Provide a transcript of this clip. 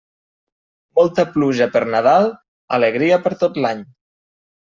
Molta pluja per Nadal, alegria per tot l'any.